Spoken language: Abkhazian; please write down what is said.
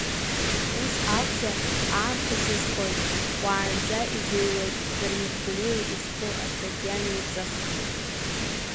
Ус акәзар, аамҭа сызхоит, уаанӡа изыҩуеит Дырмит Гәлиа изку астатиа неиҵых.